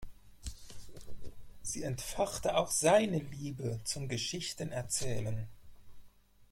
Sie entfachte auch seine Liebe zum Geschichtenerzählen.